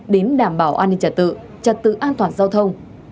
đến đảm bảo an ninh trả tự trả tự an toàn giao thông